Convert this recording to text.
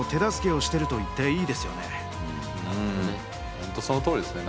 本当そのとおりですね。